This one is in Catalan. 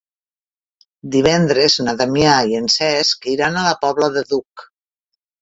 Divendres na Damià i en Cesc iran a la Pobla del Duc.